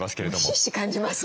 ひしひし感じます。